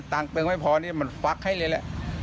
มาซื้อข้ออะไรนี่ตังค์เติมไม่พอมันฟักให้เลยละ